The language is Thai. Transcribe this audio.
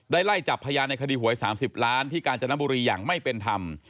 ไล่จับพยานในคดีหวย๓๐ล้านที่กาญจนบุรีอย่างไม่เป็นธรรม